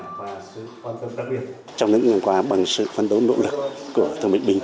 và sự quan tâm đặc biệt trong những ngày qua bằng sự phân tố nỗ lực của thương bệnh binh